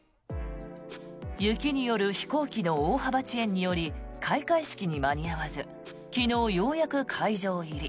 雪による飛行機の大幅遅延により開会式に間に合わず昨日、ようやく会場入り。